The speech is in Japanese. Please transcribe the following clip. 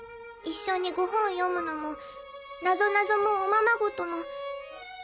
一緒にご本を読むのもなぞなぞもおままごとも。